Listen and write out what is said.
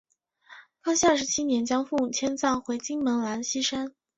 康熙二十七年将父母迁葬回金门兰厝山。